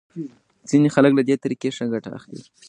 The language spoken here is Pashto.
ځینې خلک له دې طریقې ښه ګټه اخلي.